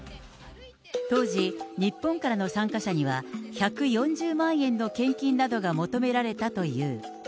当時、日本からの参加者には、１４０万円の献金などが求められたという。